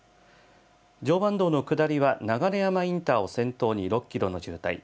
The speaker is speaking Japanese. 常磐道の下りは流山インターを先頭に６キロの渋滞。